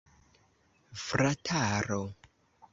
Frataro!